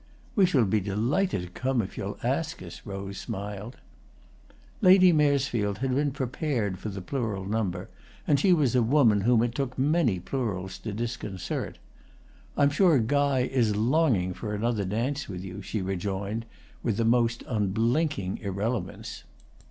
"We shall be delighted to come if you'll ask us," Rose smiled. Lady Maresfield had been prepared for the plural number, and she was a woman whom it took many plurals to disconcert. "I'm sure Guy is longing for another dance with you," she rejoined, with the most unblinking irrelevance.